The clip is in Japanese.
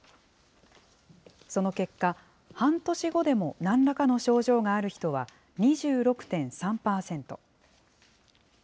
その結果、半年後でも何らかの症状がある人は２６．３％。